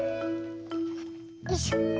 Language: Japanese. よいしょ。